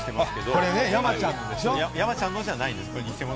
これ、山ちゃんのじゃないんですけれども。